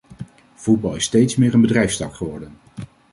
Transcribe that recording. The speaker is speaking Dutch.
Voetbal is steeds meer een bedrijfstak geworden.